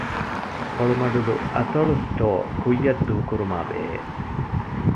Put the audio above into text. ކޮޅުމަޑުލު އަތޮޅު ސްޓޯރ ކުއްޔަށް ދޫކުރުމާބެހޭ